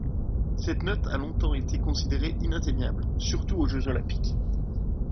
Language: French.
Cette note a longtemps été considérée inatteignable, surtout aux Jeux olympiques.